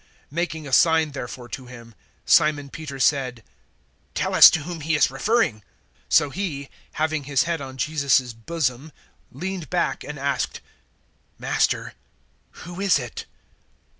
013:024 Making a sign therefore to him, Simon Peter said, "Tell us to whom he is referring." 013:025 So he, having his head on Jesus's bosom, leaned back and asked, "Master, who is it?"